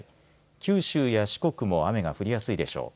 九州や四国も雨が降りやすいでしょう。